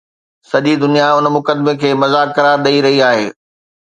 سڄي دنيا ان مقدمي کي مذاق قرار ڏئي رهي آهي.